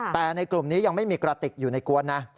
แต่ในกลุ่มนี้ยังไม่มีกระติกอยู่ในกวนนะ